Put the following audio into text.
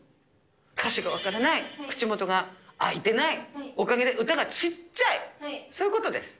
歌詞が分からない、口元が開いてない、おかげで歌が小っちゃい、そういうことです。